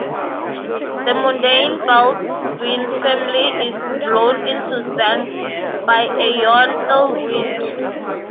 The Mundane Baldwin family is blown into Xanth by a Yon Ill Wind.